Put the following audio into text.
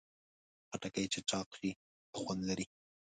خټکی چې چاق شي، ښه خوند لري.